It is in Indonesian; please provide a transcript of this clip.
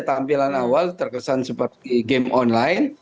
tampilan awal terkesan seperti game online